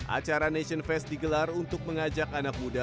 acara nation fest digelar untuk mengajak anak muda